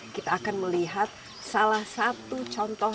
kita akan melihat salah satu contoh